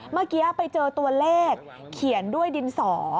เมื่อกี้ไปเจอตัวเลขเขียนด้วยดินสอ